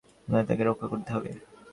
আমাদের তাকে রক্ষা করতে হবে!